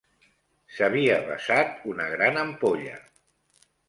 S'havia vessat una gran ampolla